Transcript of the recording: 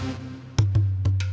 dan aku kenalin kamu ke rifqiana